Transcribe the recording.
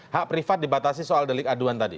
hak privat dibatasi soal delik aduan tadi